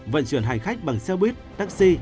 vận chuyển hành khách bằng xe buýt taxi